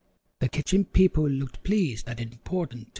The Kitchen People looked pleased and important, too.